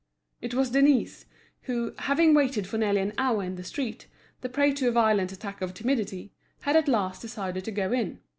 It was Denise, who, having waited for nearly an hour in the street, the prey to a violent attack of timidity, had at last decided to go in.